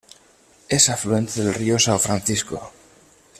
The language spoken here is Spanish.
Es afluente del río São Francisco.